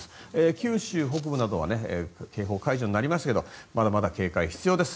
九州北部などは警報解除になりましたがまだまだ警戒が必要です。